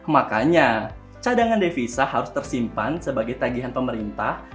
makanya cadangan devisa harus tersimpan sebagai tagihan pemerintah